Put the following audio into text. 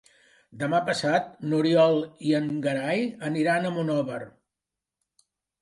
Demà passat n'Oriol i en Gerai aniran a Monòver.